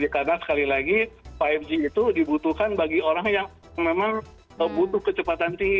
karena sekali lagi lima g itu dibutuhkan bagi orang yang memang butuh kecepatan tinggi